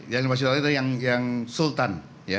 yang rp sembilan belas lima ratus itu yang sultan